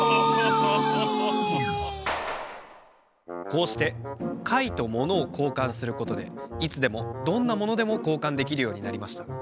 こうしてかいとものをこうかんすることでいつでもどんなものでもこうかんできるようになりました。